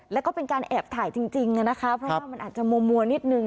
แล้วก็เป็นการแอบถ่ายจริงนะคะเพราะว่ามันอาจจะมัวนิดนึง